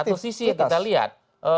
satu sisi kita lihat